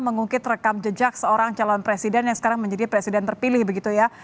mengungkit rekam jejak seorang calon presiden yang sekarang menjadi presiden terpilih begitu ya